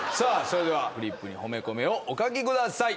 それではフリップに褒めコメをお書きください